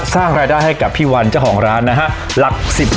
พี่โน่นุ่มนี่เรียกว่าตัวพ่อมากจริงแหละครับ